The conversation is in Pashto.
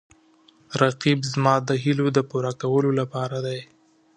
رقیب زما د هیلو د پوره کولو لپاره دی